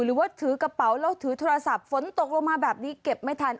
หรือว่าถือกระเป๋าแล้วถือโทรศัพท์ฝนตกลงมาแบบนี้เก็บไม่ทัน